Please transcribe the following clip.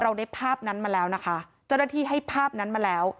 ได้ภาพนั้นมาแล้วนะคะเจ้าหน้าที่ให้ภาพนั้นมาแล้ว